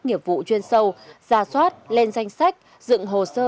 nghiệp vụ chuyên sâu ra soát lên danh sách dựng hồ sơ